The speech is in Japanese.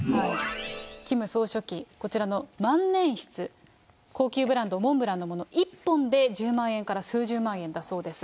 キム総書記、こちらの万年筆、高級ブランド、モンブランのもの、１本で１０万円から数十万円だそうです。